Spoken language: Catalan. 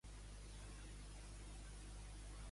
Són coses de la clàssica amplitud de mires espanyola.